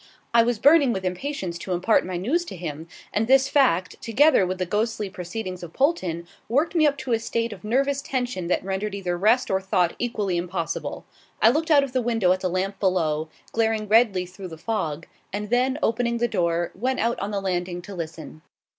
I was burning with impatience to impart my news to him, and this fact, together with the ghostly proceedings of Polton, worked me up to a state of nervous tension that rendered either rest or thought equally impossible. I looked out of the window at the lamp below, glaring redly through the fog, and then, opening the door, went out on to the landing to listen.